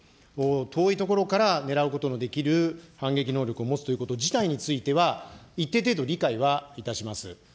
遠い所から狙うことのできる、反撃能力を持つということ自体については、一定程度理解はいたします。